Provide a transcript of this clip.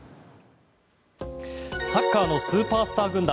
サッカーのスーパースター軍団